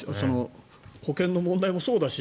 保険の問題もそうだし